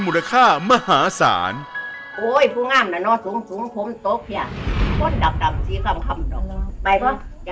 มูลค่ามหาศาลโอ้ยผู้งามแล้วน้องสูงสูงผมตกแค่คนดับตำสีคำธรรมดอกไปก็จะ